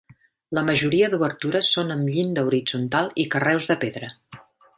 La majoria d'obertures són amb llinda horitzontal i carreus de pedra.